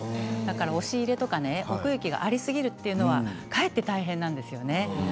押し入れとか奥行きがありすぎるというのはかえって大変なんですよね。